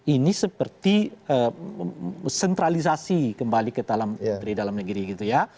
ini seperti sentralisasi kembali ke dalam negeri gitu ya